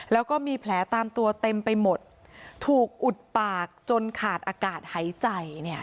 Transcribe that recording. แล้วก็มีแผลตามตัวเต็มไปหมดถูกอุดปากจนขาดอากาศหายใจเนี่ย